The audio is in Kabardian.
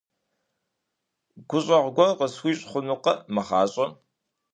ГущӀэгъу гуэр къысхуищӀ хъунукъэ мы гъащӀэм?